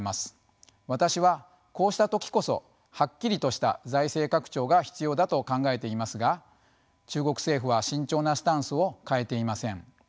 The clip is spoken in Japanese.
私はこうした時こそはっきりとした財政拡張が必要だと考えていますが中国政府は慎重なスタンスを変えていません。